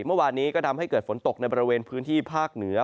เมื่อวานนี้ก็ทำให้เกิดฝนตกในบริเวณพื้นที่ภาคเหนือ